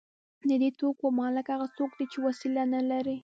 د دې توکو مالک هغه څوک دی چې وسیله نلري